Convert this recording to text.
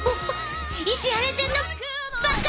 石原ちゃんのばか！